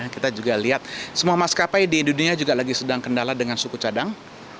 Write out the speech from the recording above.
kita juga lihat semua maskapai di dunia juga lagi sedang kendala dengan suku cadang